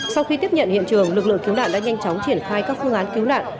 sau khi tiếp nhận hiện trường lực lượng cứu nạn đã nhanh chóng triển khai các phương án cứu nạn